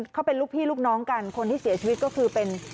เขาเป็นลูกพี่ลูกน้องกันคนที่เสียชีวิตก็คือเป็น